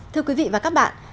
thưa quý vị và các bạn